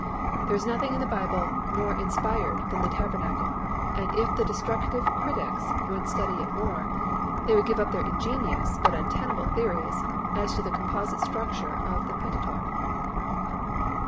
There is nothing in the Bible more inspired than the tabernacle, and if the Destructive Critics would study it more, they would give up their ingenious but untenable theories as to the composite structure of the Pentateuch.